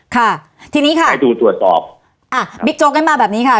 ค่ะทีนี้ค่ะให้ดูตรวจสอบอ่าบิ๊กโจ๊กนั้นมาแบบนี้ค่ะ